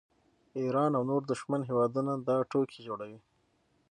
ایران او نور دښمن هیوادونه دا ټوکې جوړوي